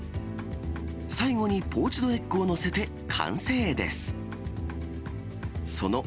最後にポーチドエッグを載せて完成です。